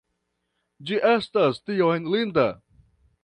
Ĝi estas tiom linda!